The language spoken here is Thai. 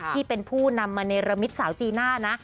ที่เป็นผู้นำมาเนรมิตสาวจีน่านะ